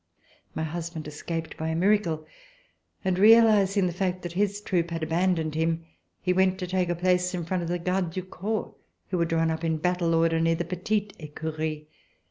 My husband escaped by a miracle and, realizing the fact that his troop had abandoned him, he went to take a place in front of the Gardes du Corps, who were drawn up in battle order near the Petite Ecurie.